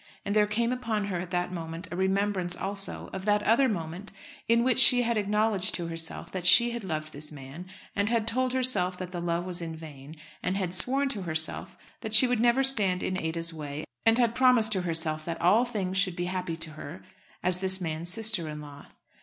And there came upon her at that moment a remembrance also of that other moment in which she had acknowledged to herself that she had loved this man, and had told herself that the love was vain, and had sworn to herself that she would never stand in Ada's way, and had promised to herself that all things should be happy to her as this man's sister in law.